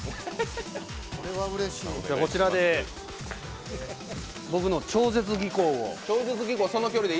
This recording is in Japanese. こちらで僕の超絶技巧を。